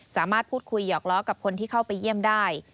สามารถพูดคุยหยอกล้อกับคนที่เข้าไปเยี่ยมได้